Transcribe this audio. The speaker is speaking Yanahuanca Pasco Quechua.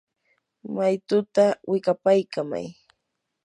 maytutaa wikapaykamay.